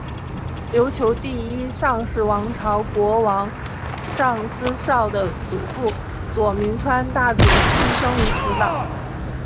琉球第一尚氏王朝国王尚思绍的祖父佐铭川大主出生于此岛。